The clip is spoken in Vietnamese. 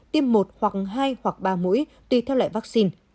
tiêm một hoặc hai hoặc ba mũi tùy theo loại vaccine